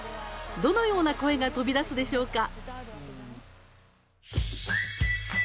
どのような声が飛び出すでしょうか。